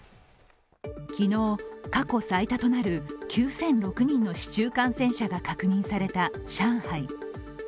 昨日、過去最多となる９００６人の市中感染者が確認された上海。